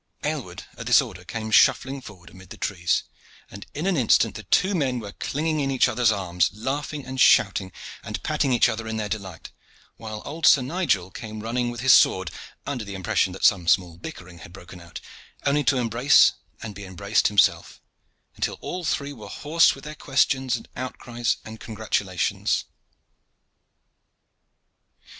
Aylward at this order came shuffling forward amid the trees, and in an instant the two men were clinging in each other's arms, laughing and shouting and patting each other in their delight; while old Sir Nigel came running with his sword, under the impression that some small bickering had broken out, only to embrace and be embraced himself, until all three were hoarse with their questions and outcries and congratulations.